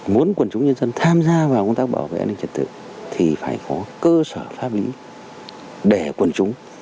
muốn quần chúng nhân dân tham gia vào công tác bảo vệ an ninh trật tự thì phải có cơ sở pháp lý để quần chúng